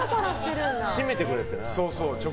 閉めてくれ！ってね。